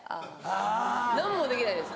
あぁ何もできないです。